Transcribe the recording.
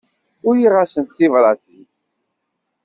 Uriɣ-asent tibratin.